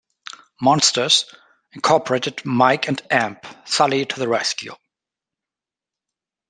Monsters, Incorporated Mike and amp; Sulley to the Rescue!